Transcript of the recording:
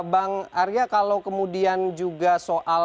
bang arya kalau kemudian juga soal